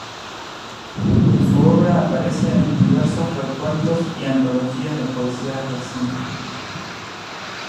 Su obra aparece en diversos recuentos y antologías de poesía reciente.